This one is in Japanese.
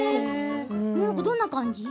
どんな感じ？